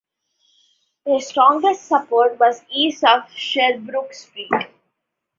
Their strongest support was east of Sherbrooke Street.